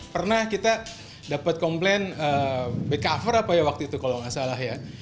pernah kita dapat komplain back cover apa ya waktu itu kalau nggak salah ya